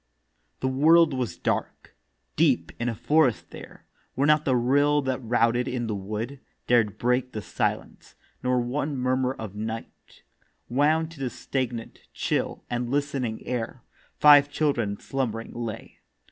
The World was dark. Deep in a forest there, Where not the rill that routed in the wood Dared break the silence, nor one murmur of night Wound to the stagnant, chill, and listening air, Five children slumbering lay.